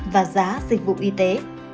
và giá dịch vụ y tế